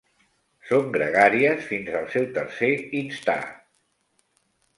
Són gregàries fins al seu tercer instar.